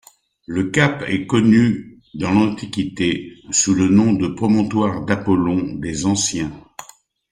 Le cap est connu dans l'Antiquité sous le nom de Promontoire d'Apollon des Anciens.